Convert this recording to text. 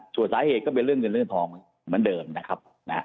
ส่วนสาเหตุก็เป็นเรื่องทองเหมือนเดิมนะครับ